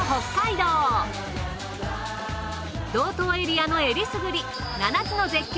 道東エリアの選りすぐり７つの絶景